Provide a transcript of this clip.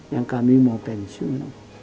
yang kami mau pensiun